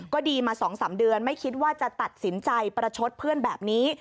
ก็ดีมา๒๓เดือนไม่คิดว่าจะตัดสินใจประชดเพื่อนแบบนี้